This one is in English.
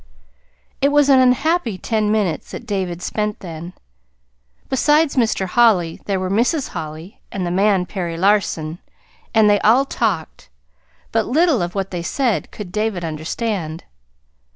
It was an unhappy ten minutes that David spent then. Besides Mr. Holly, there were Mrs. Holly, and the man, Perry Larson. And they all talked. But little of what they said could David understand.